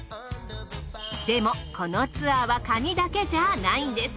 でもこのツアーはカニだけじゃないんです。